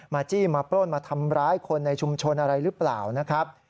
มาจี้มาโปรดมาทำร้ายคนในชุมชนอะไรหรือเปล่า